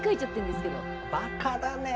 バカだねえ。